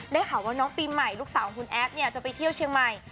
ได้ข่าวว่าน้องปีใหม่ลูกสาวของคุณแอฟเนี่ยจะไปเที่ยวเชียงใหม่